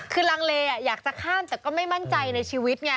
คือลังเลอยากจะข้ามแต่ก็ไม่มั่นใจในชีวิตไง